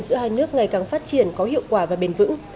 giữa hai nước ngày càng phát triển có hiệu quả và bền vững